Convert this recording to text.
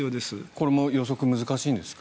これも予測が難しいんですか？